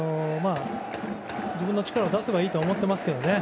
自分の力を出せばいいと思ってますけどね。